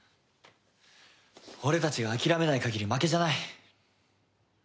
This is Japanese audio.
俺たちが諦めない限り負けじゃない。